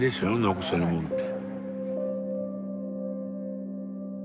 残せるもんって。